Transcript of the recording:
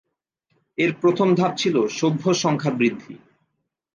এর প্রথম ধাপ ছিল সভ্য সংখ্যা বৃদ্ধি।